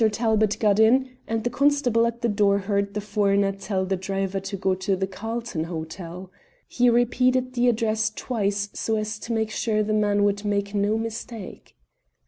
Talbot got in, and the constable at the door heard the foreigner tell the driver to go to the Carlton Hotel. He repeated the address twice, so as to make sure the man would make no mistake.